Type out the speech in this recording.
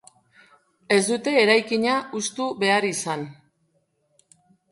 Ez dute eraikina hustu behar izan.